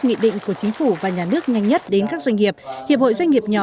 nghị định của chính phủ và nhà nước nhanh nhất đến các doanh nghiệp hiệp hội doanh nghiệp nhỏ